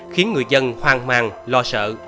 khiến người dân hoang mang lo sợ